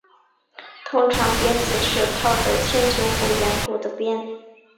通常鞭子是套着铅球或羊骨的鞭。